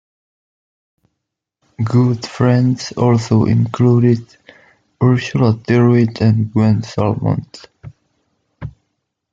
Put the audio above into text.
Good friends also included Ursula Tyrwhitt and Gwen Salmond.